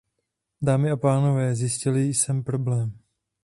Dámy a pánové, zjistil jsem problém.